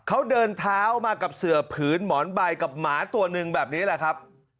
เขาเดินเท้ามากับเสือผืนหมอนใบกับหมาตัวหนึ่งแบบนี้แหละครับ